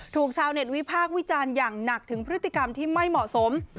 ชาวเน็ตวิพากษ์วิจารณ์อย่างหนักถึงพฤติกรรมที่ไม่เหมาะสม